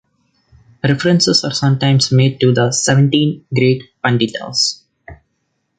References are sometimes made to the Seventeen Great Panditas.